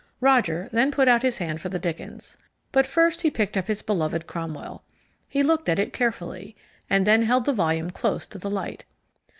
Roger then put out his hand for the Dickens. But first he picked up his beloved Cromwell. He looked at it carefully, and then held the volume close to the light.